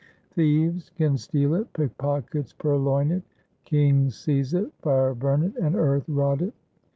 Thieves can steal it, pickpockets purloin it, kings seize it, fire burn it, and earth rot it.